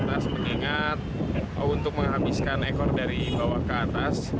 atas mengingat untuk menghabiskan ekor dari bawah ke atas